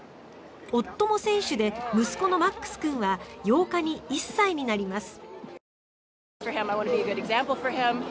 夫も選手で、息子のマックス君は８日に１歳になります。